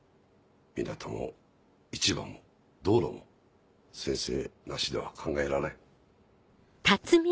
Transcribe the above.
港も市場も道路も先生なしでは考えられん。